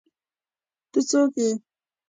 ته څوک ېې